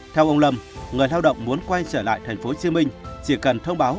theo ông lâm người lao động muốn quay trở lại tp hcm chỉ cần thông báo